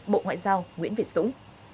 bộ ngoại giao nguyễn việt dũng